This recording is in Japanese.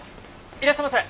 いらっしゃいませ！